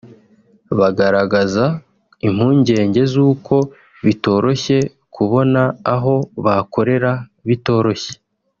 bagaragaza impungege z’uko bitoroshye kubona aho bakorera bitoroshye